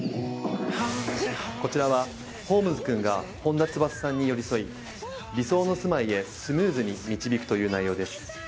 こちらはホームズくんが本田翼さんに寄り添い理想の住まいへスムーズに導くという内容です。